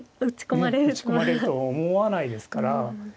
ねえ打ち込まれるとは思わないですから。